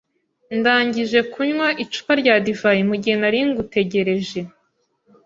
Ndangije kunywa icupa rya divayi mugihe nari ngutegereje.